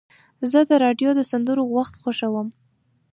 زه د راډیو د سندرو وخت خوښوم.